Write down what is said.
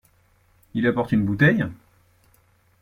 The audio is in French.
Il apporte une bouteille?